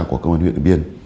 của công hành huyện điện biên